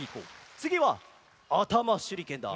つぎはあたましゅりけんだ。